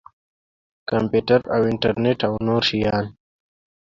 کمپیوټر او انټرنټ او نور شیان.